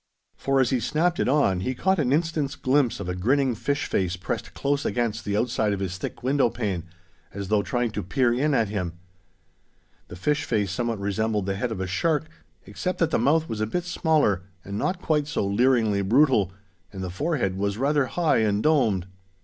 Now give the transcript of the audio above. For, as he snapped it on, he caught an instant's glimpse of a grinning fish face pressed close against the outside of his thick window pane, as though trying to peer in at him. The fish face somewhat resembled the head of a shark, except that the mouth was a bit smaller and not quite so leeringly brutal, and the forehead was rather high and domed.